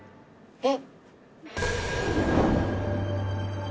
えっ。